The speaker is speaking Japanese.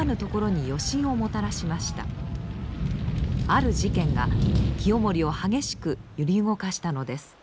ある事件が清盛を激しく揺り動かしたのです。